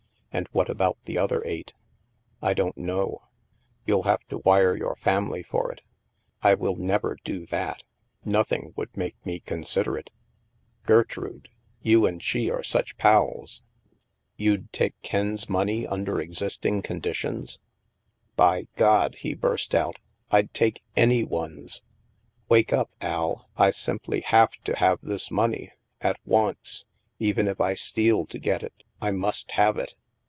" And what about the other eight? "" I don't know." " You'll have to wire your family for it." " I will never do that. Nothing would make me consider it." "Gertrude — you and she are such pals—" THE MAELSTROM 201 " You'd take Ken's money under existing condi tions?" " By G d," he burst out, " Fd take any one's. Wake up, Al, I samply have to have this money, at once. Even if I steal to get it, I must have it."